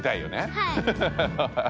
はい。